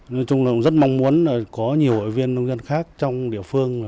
nói chung là cũng rất mong muốn có nhiều hội viên nông dân khác trong địa phương